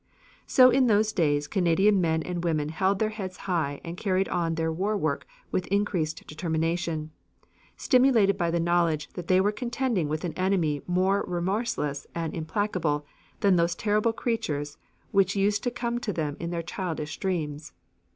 So in those days Canadian men and women held their heads higher and carried on their war work with increased determination, stimulated by the knowledge that they were contending with an enemy more remorseless and implacable than those terrible creatures which used to come to them in their childish dreams.